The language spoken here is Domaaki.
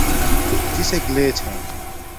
کسک لے چھاݵ